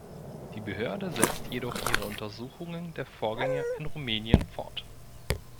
Die Behörde setzt jedoch ihre Untersuchungen der Vorgänge in Rumänien fort.